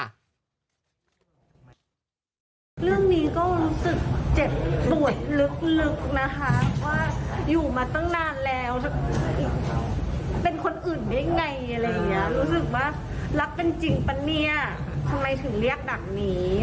เรื่องนี้ก็รู้สึกเจ็บปวดลึกนะคะว่าอยู่มาตั้งนานแล้วเป็นคนอื่นได้ไงอะไรอย่างนี้